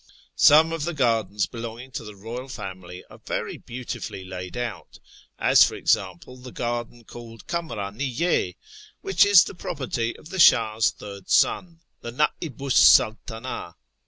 Some of the gardens belonging to the royal family are very beautifully laid out, as, for example, the garden called Kdnirdniyyd, which is the property of the Shah's third son, the Na'ibu's Saltanah.